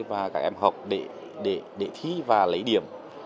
các em học để thí và lấy điểm